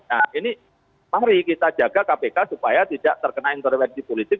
nah ini mari kita jaga kpk supaya tidak terkena intervensi politik